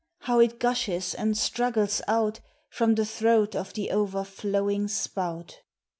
How it gushes and struggles out From the throat of the overflowing spout!